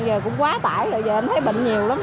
giờ cũng quá tải là giờ em thấy bệnh nhiều lắm